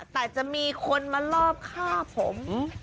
แต่จะมีคนมารอบ้าข้าผม